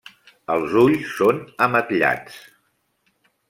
Els ulls són ametllats.